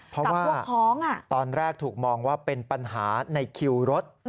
เพราะว่าตอนแรกถูกมองว่าเป็นปัญหาในคิวรถ